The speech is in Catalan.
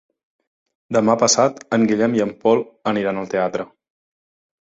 Demà passat en Guillem i en Pol aniran al teatre.